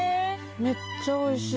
めっちゃおいしい。